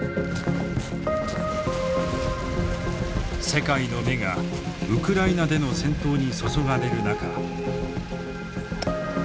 世界の目がウクライナでの戦闘に注がれる中。